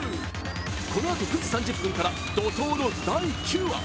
このあと９時３０分から怒とうの第９話。